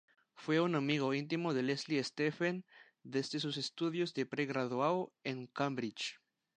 Fue un amigo íntimo de Leslie Stephen desde sus estudios de pre-graduado en Cambridge.